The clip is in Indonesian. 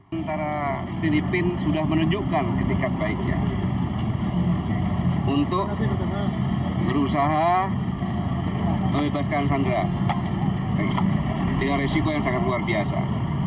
antara filipina sudah menunjukkan ketika baiknya untuk berusaha membebaskan sandra dengan resiko yang sangat luar biasa